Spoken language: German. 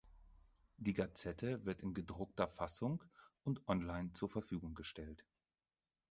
Die Gazette wird in gedruckter Fassung und online zur Verfügung gestellt.